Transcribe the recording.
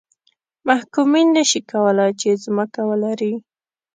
محکومین نه شي کولای چې ځمکه ولري.